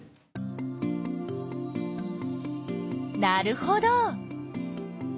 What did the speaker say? なるほど！